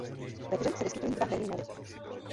Ve hře se vyskytují dva herní módy.